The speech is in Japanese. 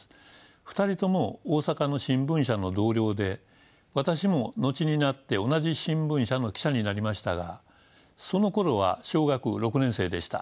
２人とも大阪の新聞社の同僚で私も後になって同じ新聞社の記者になりましたがそのころは小学６年生でした。